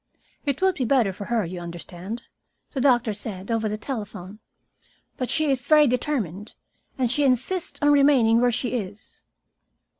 "It would be better for her, you understand," the doctor said, over the telephone. "But she is very determined, and she insists on remaining where she is."